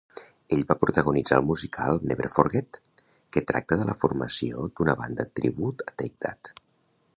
Ell va protagonitzar el musical "Never Forget", que tracta de la formació d'una banda tribut a Take That.